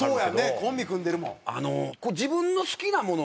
コンビ組んでるもん。